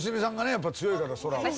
やっぱり強いから空は。